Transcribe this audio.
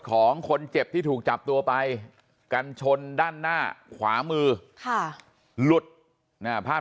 ของคนเจ็บที่ถูกจับตัวไปกันชนด้านหน้าขวามือค่ะหลุดภาพ